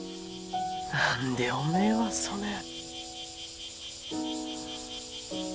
何でおめえはそねん。